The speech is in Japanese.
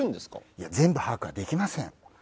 いや全部把握はできません！